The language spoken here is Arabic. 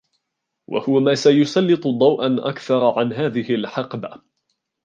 وهو ما سيسلّط ضوءا أكثر عن هذه الحقبة.